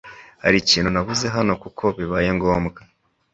Hari ikintu nabuze hano kuko bibaye ngombwa